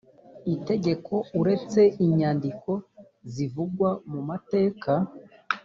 itegeko uretse inyandiko zivugwa mu mateka